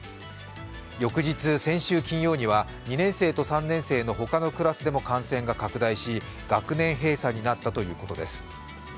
翌日、先週金曜には、２年生と３年生の他のクラスでも感染が拡大し学年閉鎖になったということです。